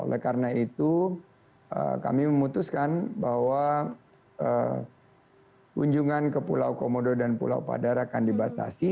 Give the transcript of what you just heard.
oleh karena itu kami memutuskan bahwa kunjungan ke pulau komodo dan pulau padar akan dibatasi